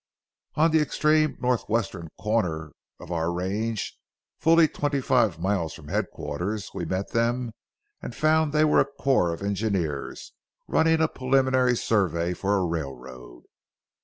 On the extreme northwestern corner of our range, fully twenty five miles from headquarters, we met them and found they were a corps of engineers, running a preliminary survey for a railroad.